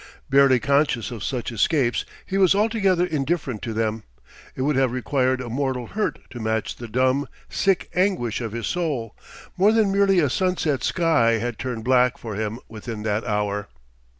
Barely conscious of such escapes, he was altogether indifferent to them: it would have required a mortal hurt to match the dumb, sick anguish of his soul; more than merely a sunset sky had turned black for him within that hour.